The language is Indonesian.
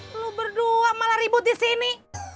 dulu berdua malah ribut di sini